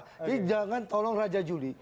jadi jangan tolong raja juli